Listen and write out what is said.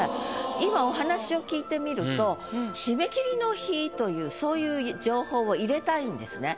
今お話を聞いてみるとしめ切りの日というそういう情報を入れたいんですね。